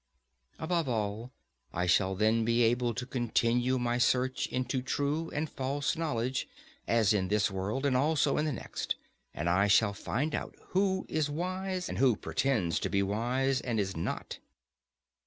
Above all, I shall then be able to continue my search into true and false knowledge; as in this world, so also in the next; and I shall find out who is wise, and who pretends to be wise, and is not.